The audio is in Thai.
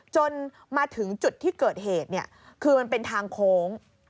จนมาถึงจุดที่เกิดเหตุคือมันเป็นทางโค้ง